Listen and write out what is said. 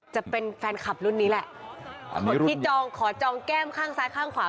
จะเป็นแฟนคลับรุ่นนี้แหละคนที่จองขอจองแก้มข้างซ้ายข้างขวา